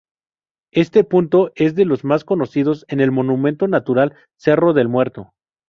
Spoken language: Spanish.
Este punto es de los más conocidos del Monumento Natural Cerro del Muerto.